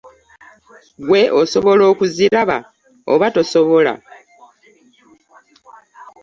Ggwe osobola okuziraba, oba tosobola?